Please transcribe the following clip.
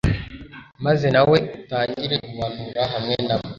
maze nawe utangire guhanura hamwe na bo